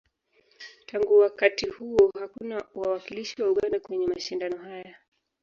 Tangu wakati huo, hakuna wawakilishi wa Uganda kwenye mashindano haya.